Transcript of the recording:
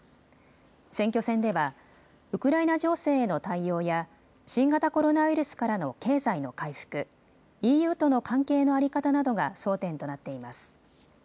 選挙戦ではウクライナ情勢への対応や新型コロナウイルスからの経済の回復、ＥＵとの関係の在り方などが争点となっています。